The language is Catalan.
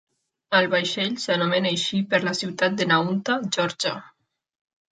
El vaixell s'anomena així per la ciutat de Nahunta, Georgia.